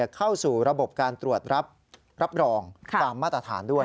เข้าสู่ระบบการตรวจรับรองตามมาตรฐานด้วย